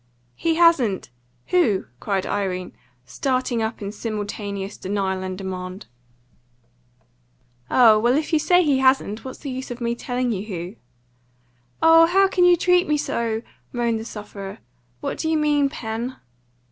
"He hasn't! Who?" cried Irene, starting up in simultaneous denial and demand. "Oh, well, if you say he hasn't, what's the use of my telling you who?" "Oh, how can you treat me so!" moaned the sufferer. "What do you mean, Pen?"